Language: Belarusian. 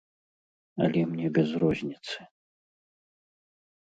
Але мне без розніцы.